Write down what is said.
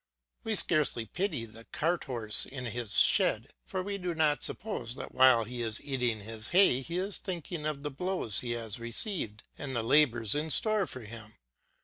We scarcely pity the cart horse in his shed, for we do not suppose that while he is eating his hay he is thinking of the blows he has received and the labours in store for him.